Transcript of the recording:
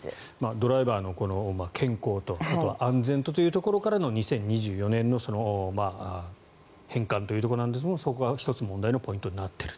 ドライバーの健康とあと、安全とというところからの２０２４年の変換というところなんですがそこが１つ問題のポイントになっている。